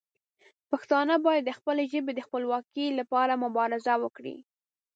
پښتانه باید د خپلې ژبې د خپلواکۍ لپاره مبارزه وکړي.